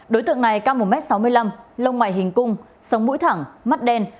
đối tượng này cao một m sáu mươi năm lông mày hình cung sống mũi thẳng mắt đen